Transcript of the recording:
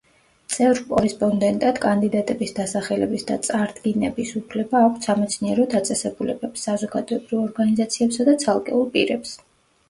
წევრ-კორესპონდენტად კანდიდატების დასახელების და წარდგინების უფლება აქვთ სამეცნიერო დაწესებულებებს, საზოგადოებრივ ორგანიზაციებსა და ცალკეულ პირებს.